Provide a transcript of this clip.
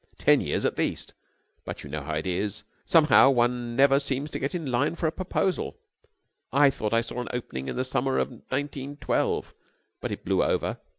Ten years at least. But you know how it is somehow one never seems to get in line for a proposal. I thought I saw an opening in the summer of nineteen twelve, but it blew over.